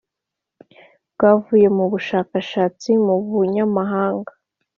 bwavuye mu bushakashatsi mu Bunyamabanga